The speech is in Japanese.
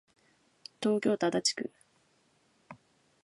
東京都足立区